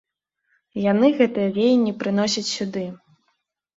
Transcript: Яны гэтыя веянні прыносяць сюды.